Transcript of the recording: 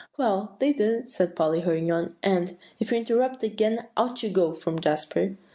"Well, they did," said Polly, hurrying on; "and" "If you interrupt again, out you go," from Jasper.